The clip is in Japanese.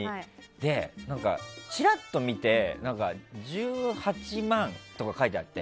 で、チラッと見て１８万とか書いてあって。